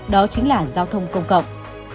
đó chính là giao thông công cộng